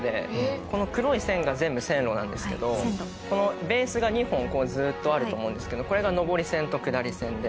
この黒い線が全部線路なんですけどこのベースが２本ずっとあると思うんですけどこれが上り線と下り線で。